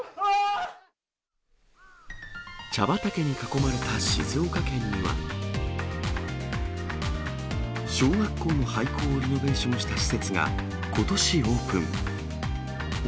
茶畑に囲まれた静岡県には、小学校の廃校をリノベーションした施設がことしオープン。